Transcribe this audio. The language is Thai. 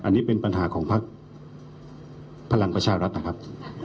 อันนี้เป็นปัญหาของพักพลังประชารัฐนะครับ